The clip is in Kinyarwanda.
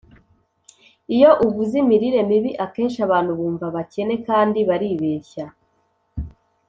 Iyo uvuze imirire mibi, akenshi abantu bumva abakene kandi baribeshya